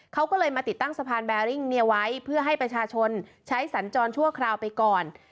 เขาก็เลยมาติดตั้งสะพานแบริ่งไว้เพื่อให้ประชาชนใช้สัญจรชั่วคราวไปก่อน